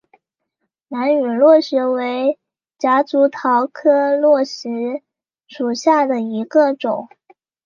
兰屿络石为夹竹桃科络石属下的一个种。